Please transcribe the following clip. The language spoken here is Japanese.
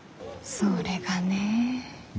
それがね。